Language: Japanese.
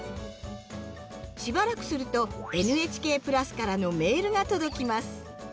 しばらくするとＮＨＫプラスからのメールが届きます。